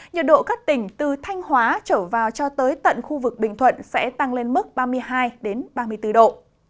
nhiệt độ các tỉnh từ thanh hóa trở vào cho tới tận khu vực bình thuận sẽ tăng lên mức ba mươi hai ba mươi bốn độ